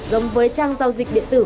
giống với trang giao dịch điện tử